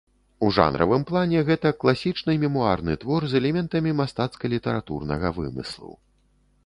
У жанравым плане гэта класічны мемуарны твор з элементамі мастацка-літаратурнага вымыслу.